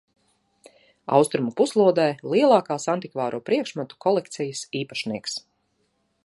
Austrumu puslodē lielākās antikvāro priekšmetu kolekcijas īpašnieks.